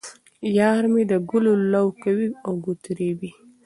یار مې د ګلو لو کوي او ګوتې رېبي.